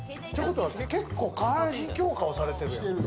結構、下半身強化をされてる。